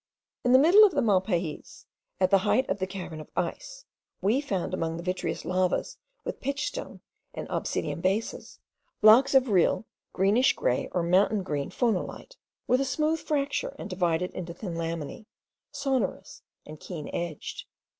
In the middle of the Malpays, at the height of the cavern of ice, we found among the vitreous lavas with pitch stone and obsidian bases, blocks of real greenish grey, or mountain green phonolite, with a smooth fracture, and divided into thin laminae, sonorous and keen edged.